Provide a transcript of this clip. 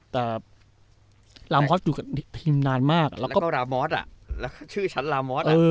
แต่รามอสอยู่กับทีมนานมากแล้วก็แล้วก็รามอสอ่ะแล้วก็ชื่อชั้นรามอสอ่ะเออ